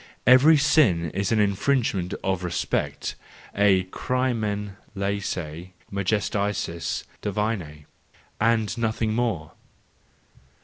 Every sin is an infringement of respect, a crimen lessee majestatis tihime and nothing more!